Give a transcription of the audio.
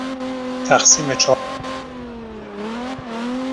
تقسیم چهارجانبهی منافع